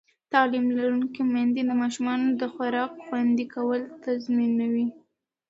تعلیم لرونکې میندې د ماشومانو د خوراک خوندي کول تضمینوي.